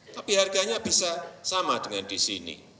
tapi harganya bisa sama dengan di sini